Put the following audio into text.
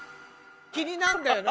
気になるんだよな。